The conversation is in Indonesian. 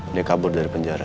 dia kabur dari penjara